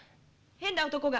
変な男が。